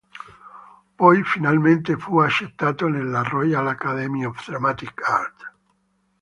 Poi finalmente fu accettato nella "Royal Academy of Dramatic Art".